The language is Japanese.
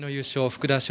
福田翔